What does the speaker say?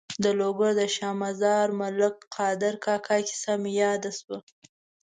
د لوګر د شا مزار ملک قادر کاکا کیسه مې یاده شوه.